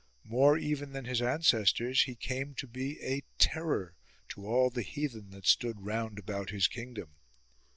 More even than his ancestors he came to be a terror to all the heathen that stood round about his kingdom.